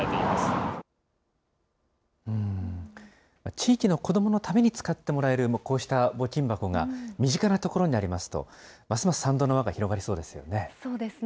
地域の子どものために使ってもらえる、こうした募金箱が身近な所にありますと、ますます賛同の輪が広がりそうですよね。